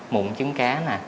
mụn trứng cá